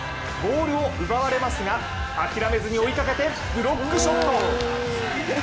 ボールを奪われますが諦めずに追いかけてブロックショット。